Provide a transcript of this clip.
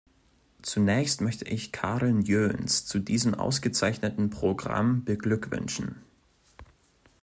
Zunächst möchte ich Karin Jöns zu diesem ausgezeichneten Programm beglückwünschen.